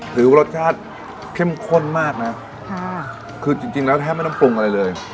ถือว่ารสชาติเข้มข้นมากนะค่ะคือจริงแล้วแทบไม่ต้องปรุงอะไรเลย